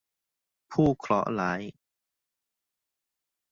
ผู้เคราะห์ร้าย